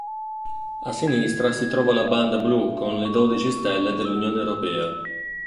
A sinistra si trova la banda blu con le dodici stelle dell'Unione europea.